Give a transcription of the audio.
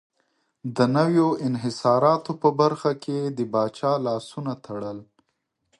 د نویو انحصاراتو په برخه کې یې د پاچا لاسونه تړل.